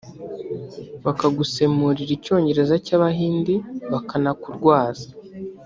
bakagusemurira Icyongereza cy’Abahindi bakanakurwaza